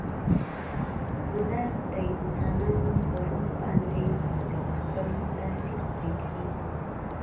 هنر د انسانانو په روح باندې خپل تاثیر پریږدي.